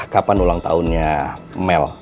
kapan ulang tahunnya mel